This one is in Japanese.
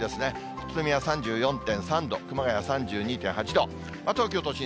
宇都宮３４．３度、熊谷３２．８度、東京都心